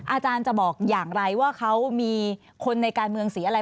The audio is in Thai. อาจารย์จะบอกอย่างไรว่าเขามีคนในการเมืองสีอะไร